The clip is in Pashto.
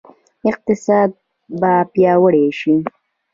اقتصاد به پیاوړی شي؟